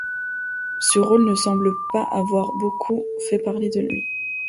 Ce rôle ne semble pas avoir beaucoup fait parler de lui.